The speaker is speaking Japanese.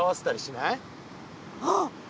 あっ！